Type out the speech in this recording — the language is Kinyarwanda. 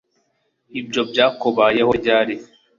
ibyo byakubayeho ryari